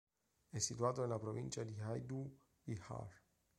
È situato nella provincia di Hajdú-Bihar.